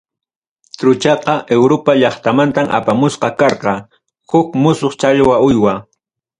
Truchaqa Europa llaqtamantam apamusqa karqa, huk musuq challwa uywa.